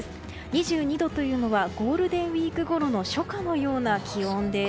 ２２度というのはゴールデンウィークごろの初夏のような気温です。